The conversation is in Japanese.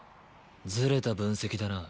ずれた分析だな。